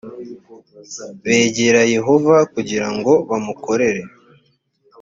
begera yehova kugira ngo bamukorere